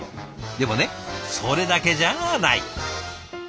でもねそれだけじゃない。